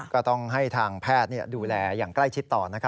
ก็ต้องให้ทางแพทย์ดูแลอย่างใกล้ชิดต่อ